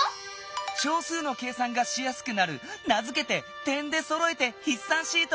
小数の計算がしやすくなる名づけて「点でそろえてひっ算シート」！